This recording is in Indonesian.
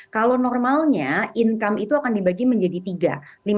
kalau normalnya income itu akan dibagi menjadi tiga